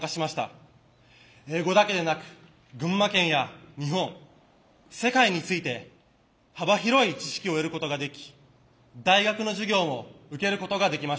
英語だけでなく群馬県や日本世界について幅広い知識を得ることができ大学の授業も受けることができました。